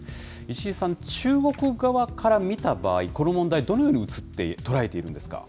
石井さん、中国側から見た場合、この問題、どのように映って、捉えているんですか。